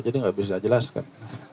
jadi gak bisa jelaskan